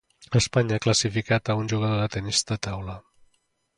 Espanya ha classificat a un jugador de tenis de taula.